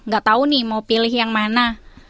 gak tau nih mau pilih yang mana